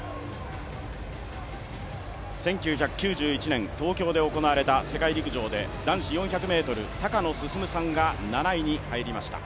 １９９１年、東京で行われた世界陸上で男子４００ｍ、高野進さんが７位に入りました。